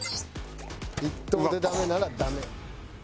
１投でダメならダメ。